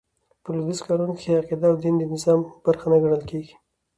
په لوېدیځ قانون کښي عقیده او دين د نظام برخه نه ګڼل کیږي.